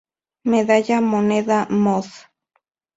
Medalla Moneda: “Mod.